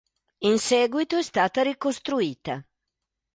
In seguito è stata ricostruita.